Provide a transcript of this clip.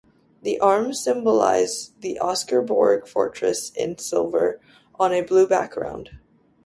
The arms symbolize the Oscarsborg Fortress in silver on a blue background.